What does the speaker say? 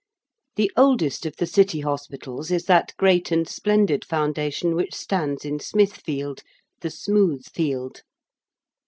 The oldest of the City Hospitals is that great and splendid Foundation which stands in Smithfield the Smooth Field.